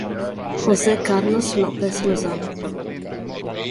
José Carlos López Lozano